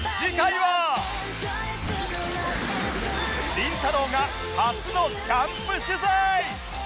りんたろー。が初のキャンプ取材！